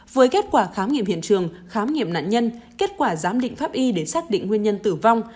với kết quả khám nghiệm hiện trường khám nghiệm nạn nhân kết quả giám định pháp y để xác định nguyên nhân tử vong